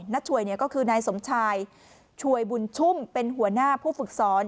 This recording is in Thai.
ช่วยก็คือนายสมชายช่วยบุญชุ่มเป็นหัวหน้าผู้ฝึกสอน